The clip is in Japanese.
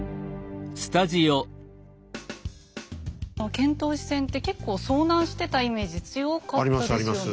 遣唐使船って結構遭難してたイメージ強かったですよね。